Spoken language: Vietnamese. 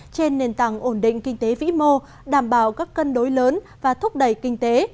trên nền tảng ổn định kinh tế vĩ mô đảm bảo các cân đối lớn và thúc đẩy kinh tế